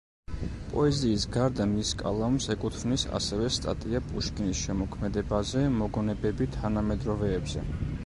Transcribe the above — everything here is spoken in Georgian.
პოეზიის გარდა მის კალამს ეკუთვნის ასევე სტატია პუშკინის შემოქმედებაზე, მოგონებები თანამედროვეებზე.